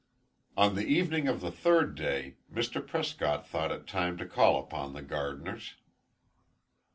On the evening of the third day, Mr. Prescott thought it time to call upon the Gardiners.